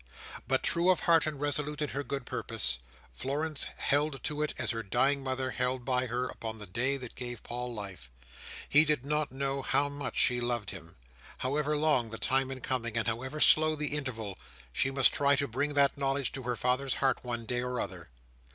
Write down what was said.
But true of heart and resolute in her good purpose, Florence held to it as her dying mother held by her upon the day that gave Paul life. He did not know how much she loved him. However long the time in coming, and however slow the interval, she must try to bring that knowledge to her father's heart one day or other.